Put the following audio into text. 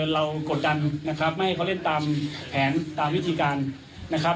กดดันนะครับไม่ให้เขาเล่นตามแผนตามวิธีการนะครับ